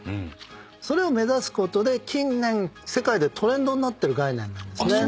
それを目指すことで近年世界でトレンドになってる概念なんですね。